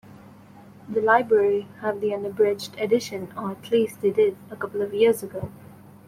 The library have the unabridged edition, or at least they did a couple of years ago.